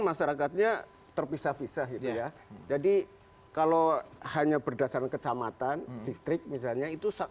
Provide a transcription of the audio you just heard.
masyarakatnya terpisah pisah ya jadi kalau hanya berdasarkan kecamatan listrik misalnya itu sak